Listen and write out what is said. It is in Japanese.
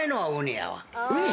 ウニ！？